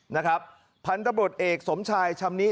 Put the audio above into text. นะครับพันธบทเอกสมชายชำนิ